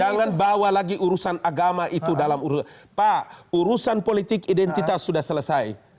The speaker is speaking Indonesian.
jangan bawa lagi urusan agama itu dalam urusan pak urusan politik identitas sudah selesai